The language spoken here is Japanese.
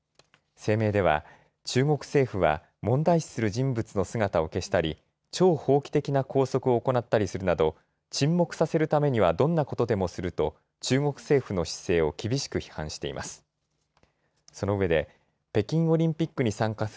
声明では中国政府は問題視する人物の姿を消したり超法規的な拘束を行ったりするなど沈黙させるためにはどんなことでもすると中国政府の姿勢を厳しく批判しています。